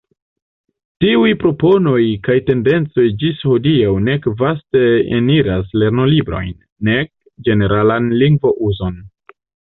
Tiuj proponoj kaj tendencoj ĝis hodiaŭ nek vaste eniris lernolibrojn, nek ĝeneralan lingvo-uzon.